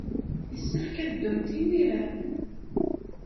Yessefk ad ddunt imir-a.